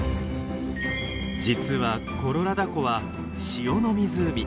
実はコロラダ湖は塩の湖。